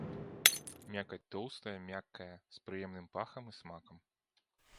Мякаць тоўстая, мяккая, з прыемным пахам і смакам.